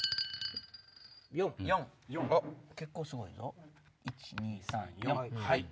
４！結構すごいぞ１・２・３・４。